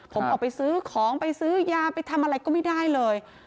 ผมออกไปซื้อของไปซื้อยาไปทำอะไรก็ไม่ได้เลย